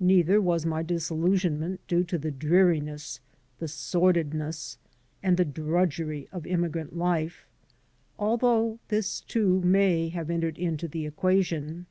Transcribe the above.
Neither was my disillusionment due to the dreariiess, the sordidness, and the drudgery ^f immi grant life, although this, too, may have entered into the equation.